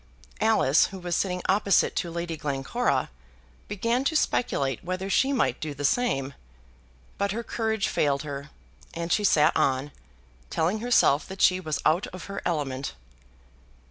Alice, who was sitting opposite to Lady Glencora, began to speculate whether she might do the same; but her courage failed her, and she sat on, telling herself that she was out of her element.